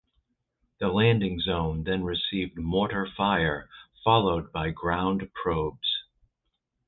The landing zone then received mortar fire followed by ground probes.